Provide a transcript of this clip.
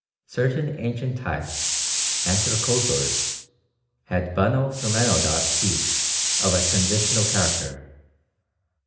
Certain an cient types (anthracoth eres) had buno selenodont teeth of a transitional character.